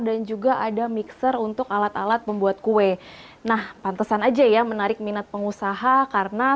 dan juga ada mixer untuk alat alat membuat kue nah pantesan aja ya menarik minat pengusaha karena